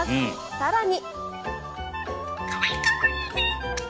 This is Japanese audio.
更に。